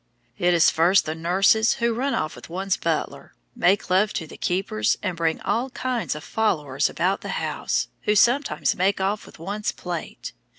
It is first the nurses, who run off with one's butler, make love to the keepers, and bring all kinds of followers about the house, who sometimes make off with one's plate.